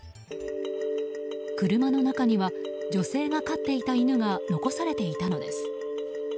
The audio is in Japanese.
車の中には女性が飼っていた犬が残されていたのです。